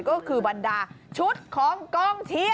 ก็คือบันดาลนักกีฬาชุดของกองเชียร์